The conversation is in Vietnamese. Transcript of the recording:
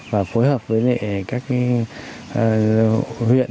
và phối hợp với các huyện